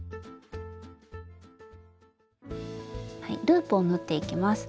ループを縫っていきます。